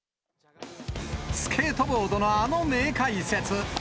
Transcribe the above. スケートボードのあの名解説。